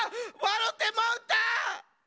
わろてもうた！